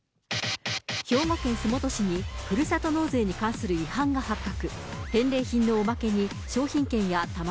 兵庫県洲本市に、ふるさと納税に関する違反が発覚。